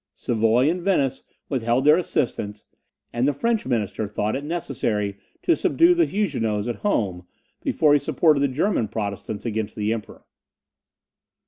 Savoy and Venice withheld their assistance; and the French minister thought it necessary to subdue the Huguenots at home, before he supported the German Protestants against the Emperor.